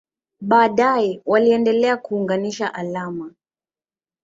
Baadaye waliendelea kuunganisha alama.